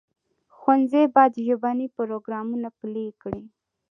ښوونځي باید ژبني پروګرامونه پلي کړي.